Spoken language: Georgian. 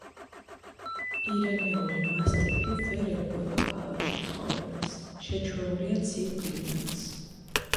პირენეული მასტიფი ვერ ეგუება ქალაქში ცხოვრებას, შეჩვეულია ცივ კლიმატს.